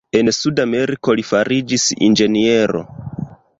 En Sudameriko li fariĝis inĝeniero.